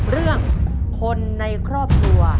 เรื่องคนในครอบครัว